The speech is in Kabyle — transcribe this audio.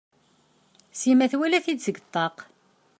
Sima twala-t-id seg ṭṭaq.